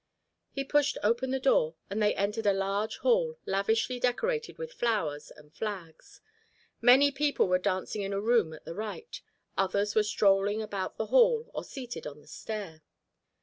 He pushed open the door and they entered a large hall lavishly decorated with flowers and flags. Many people were dancing in a room at the right, others were strolling about the hall or seated on the stair.